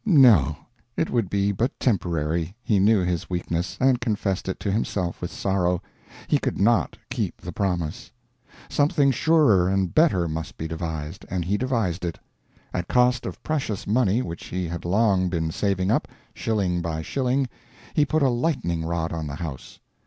No, it would be but temporary he knew his weakness, and confessed it to himself with sorrow he could not keep the promise. Something surer and better must be devised; and he devised it. At cost of precious money which he had long been saving up, shilling by shilling, he put a lightning rod on the house.